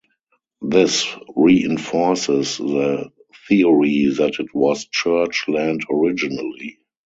This reinforces the theory that it was church land originally.